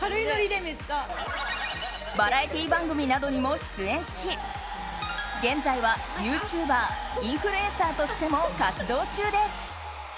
バラエティー番組などにも出演し現在はユーチューバーインフルエンサーとしても活動中です。